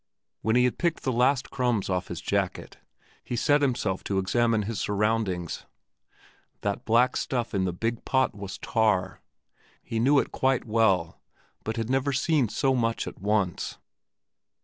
When he had picked the last crumbs off his jacket, he set himself to examine his surroundings. That black stuff in that big pot was tar. He knew it quite well, but had never seen so much at once.